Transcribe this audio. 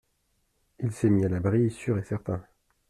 Il s'est mis à l'abri, sûr et certain.